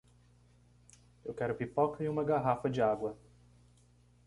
Eu quero pipoca e uma garrafa de água!